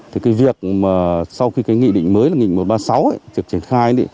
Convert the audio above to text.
thì cái việc mà sau khi cái nghị định mới là nghị một trăm ba mươi sáu ấy được triển khai